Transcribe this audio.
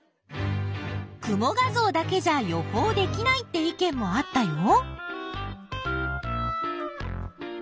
雲画像だけじゃ予報できないって意見もあったよ。